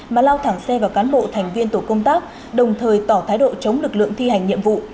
mà lao thẳng xe vào cán bộ thành viên tổ công tác đồng thời tỏ thái độ chống lực lượng thi hành nhiệm vụ